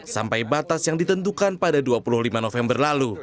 sampai batas yang ditentukan pada dua puluh lima november lalu